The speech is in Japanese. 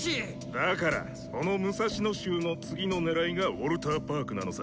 だからその六指衆の次の狙いがウォルターパークなのさ。